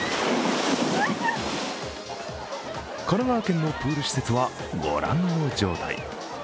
神奈川県のプール施設はご覧の状態。